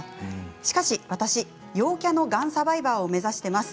しかし私、陽キャのがんサバイバーを目指しています。